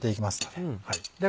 では